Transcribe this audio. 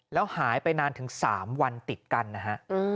แล้วหายไปนานถึง๓วันติดกันนะฮะ